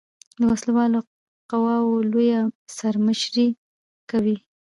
د وسله والو قواؤ لویه سر مشري کوي.